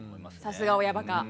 さすが親バカ。